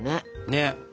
ねっ。